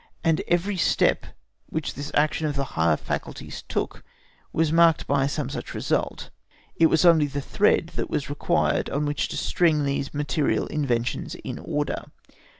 and every step which this action of the higher faculties took was marked by some such result; it was only the thread that was required on which to string these material inventions in order.